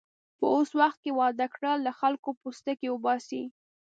په اوس وخت کې واده کړل، له خلکو پوستکی اوباسي.